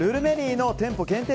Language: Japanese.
’Ｓの店舗限定